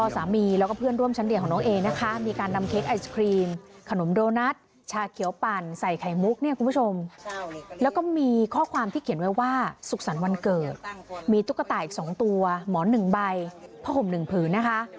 สุขสรรค์วันเกิดมีตุ๊กตาอีกสองตัวหมอนหนึ่งใบผ้าห่มหนึ่งผืนนะคะ